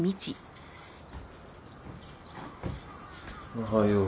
おはよう。